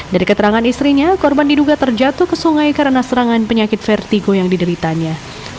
dari keterangan istrinya korban diduga terjatuh ke sungai karena serangan penyakit vertigo yang dideritanya